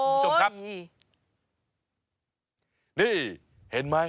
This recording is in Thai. นี่เห็นไหมคุยมันเห็นไหม